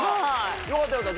よかったよかった